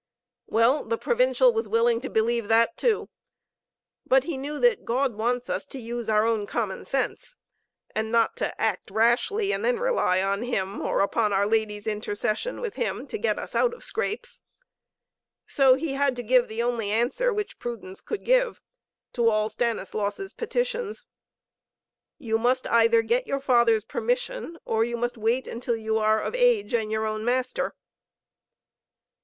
Well, the Provincial was willing to believe that too. But he knew that God wants us to use our own common sense and not to act rashly and then rely upon Him, or upon our Lady's intercession with Him, to get us out of scrapes. So he had to give the only answer which prudence could give, to all Stanislaus' petitions. "You must either get your father's permission, or you must wait until you are of age and your own master."